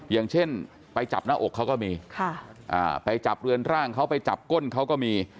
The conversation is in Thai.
อย่างเช่นไปจับหน้าอกเขาก็มีไปจับเรือนร่างเขาไปจับก้นเขาก็มี